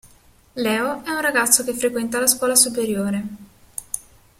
Leo è un ragazzo che frequenta la scuola superiore.